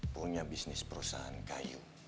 punya bisnis perusahaan kayu